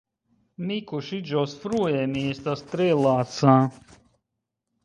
Mi kuŝiĝos frue, mi estas tre laca.